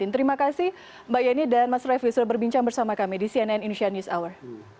terima kasih mbak yeni dan mas refli sudah berbincang bersama kami di cnn indonesia news hour